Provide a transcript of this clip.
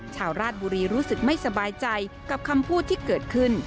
ชาวราชบุรีรู้สึกไม่สบายใจกับคำพูดที่เกิดขึ้น